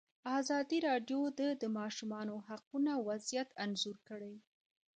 ازادي راډیو د د ماشومانو حقونه وضعیت انځور کړی.